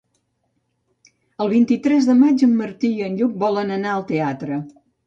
El vint-i-tres de maig en Martí i en Lluc volen anar al teatre.